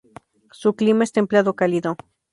Su clima es templado-cálido.